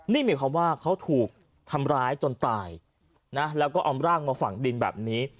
นี่หมายความว่าเขาถูกทำร้ายจนตายนะแล้วก็เอาร่างมาฝั่งดินแบบนี้